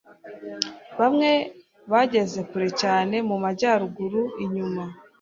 Bamwe bageze kure cyane mumajyaruguru inyuma